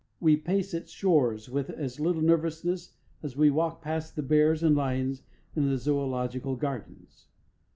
We pace its shores with as little nervousness as we walk past the bears and lions in the Zoological Gardens.